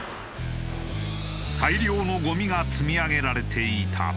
大量のゴミが積み上げられていた。